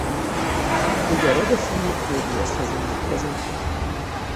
Így a rodoszi nép Hélioszhoz imádkozott.